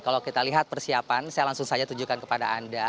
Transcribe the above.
kalau kita lihat persiapan saya langsung saja tunjukkan kepada anda